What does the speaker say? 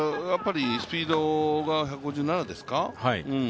スピードが１５７ですか？